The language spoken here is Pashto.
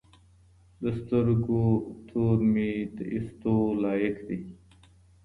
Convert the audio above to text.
د سترګو تور مي د ايستو لايق دي